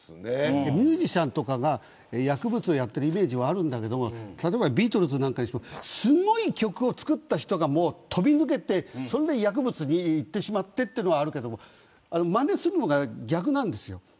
ミュージシャンとかが薬物をやっているイメージはあるけどビートルズなんかにしてもすごい曲を作った人が飛び抜けて薬物にいってしまったということはあるけどまねをするのが逆なんです。